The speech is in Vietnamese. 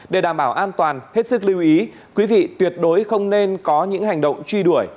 để đảm bảo an toàn hết sức lưu ý quý vị tuyệt đối không nên có những hành động truy đuổi